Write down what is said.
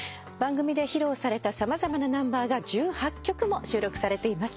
番組で披露された様々なナンバーが１８曲も収録されています。